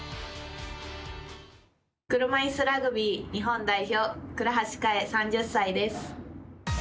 車いすラグビー日本代表倉橋香衣、３０歳です。